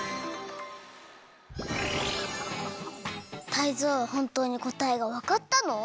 タイゾウほんとうにこたえがわかったの？